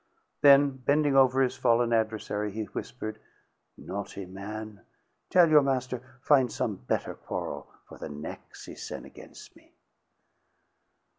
Then, bending over his fallen adversary, he whispered: "Naughty man, tell your master find some better quarrel for the nex' he sen' agains' me."